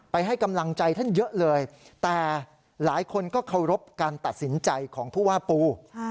ให้กำลังใจท่านเยอะเลยแต่หลายคนก็เคารพการตัดสินใจของผู้ว่าปู